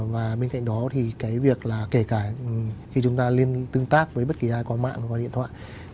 và bên cạnh đó thì cái việc là kể cả khi chúng ta tương tác với bất kỳ ai có mạng qua điện thoại